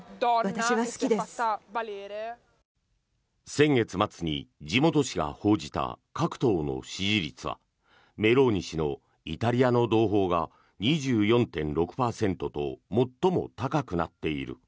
先月末に地元紙が報じた各党の支持率はメローニ氏のイタリアの同胞が２４．６％と最も高くなっている。